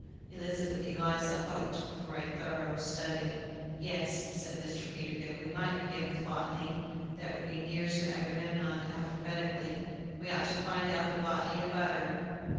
Elizabeth Eliza hoped for a thorough study. "Yes," said Mr. Peterkin, "we might begin with botany. That would be near to Agamemnon alphabetically. We ought to find out the botany of butter.